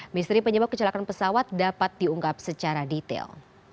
misteri penyebab kecelakaan pesawat dapat diungkap secara detail